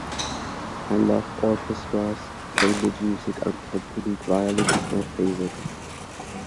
I love orchestras, chamber music-unaccompanied violin is my favourite.